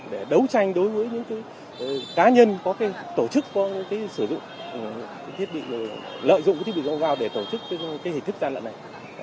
để đấu tranh đối với những cá nhân có tổ chức sử dụng thiết bị lợi dụng thiết bị giao giao để tổ chức hình thức gian đận này